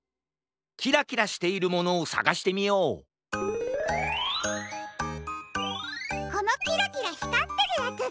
キラキラしているものをさがしてみようこのキラキラひかってるヤツだ！